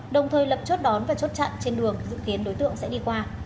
đồng thời lập chốt đón và chốt chặn trên đường dự kiến đối tượng sẽ đi qua